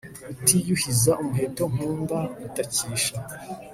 rutiyuhiza umuheto nkunda gutakisha